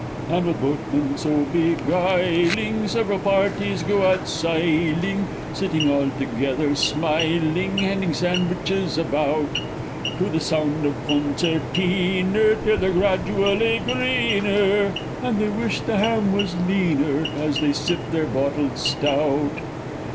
_ And, with boatmen so beguiling, sev'ral parties go out siling! Sitting all together smiling, handing sandwiches about, To the sound of concertiner, till they're gradually greener, And they wish the ham was leaner, as they sip their bottled stout.